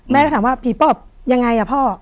แม่ก็ถามว่าผีปอบยังไงอ่ะพ่อ